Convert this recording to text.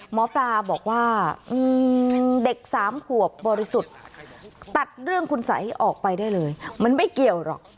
หมอปลาบอกว่าเด็กสามขวบบริสุทธิ์ตัดเรื่องคุณสัยออกไปได้เลยมันไม่เกี่ยวหรอก